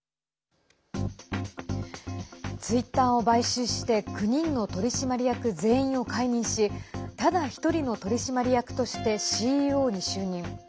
ツイッターを買収して９人の取締役全員を解任しただ１人の取締役としてＣＥＯに就任。